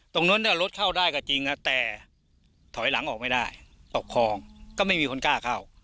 ตรงนั้นรถเข้าได้ก็จริงแต่ถอยหลังออกไม่ได้ตกคลองก็ไม่มีคนกล้าเข้า